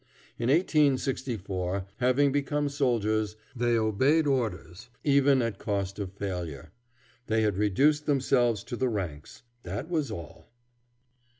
In 1864, having become soldiers, they obeyed orders even at cost of failure. They had reduced themselves to the ranks that was all.